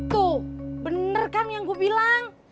tuh bener kan yang gue bilang